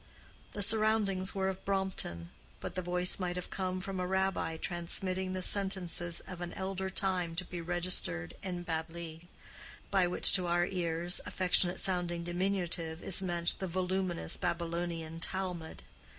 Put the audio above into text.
The surroundings were of Brompton, but the voice might have come from a Rabbi transmitting the sentences of an elder time to be registered in Babli—by which (to our ears) affectionate sounding diminutive is meant the voluminous Babylonian Talmud.